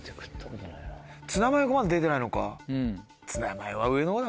ツナマヨがまだ出てないのか。